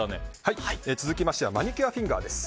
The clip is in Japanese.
続きましてはマニキュアフィンガーです。